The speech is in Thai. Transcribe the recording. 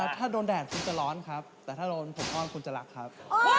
ถ้าโดนแดดคุณจะร้อนครับแต่ถ้าโดนผมอ้อนคุณจะรักครับ